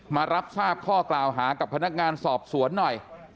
มารับทราบข้อกล่าวหากับพนักงานสอบสวนหน่อย